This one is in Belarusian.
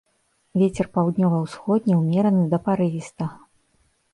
Вецер паўднёва-ўсходні ўмераны да парывістага.